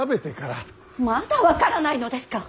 まだ分からないのですか！